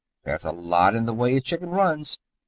There's a lot in the way a chicken runs.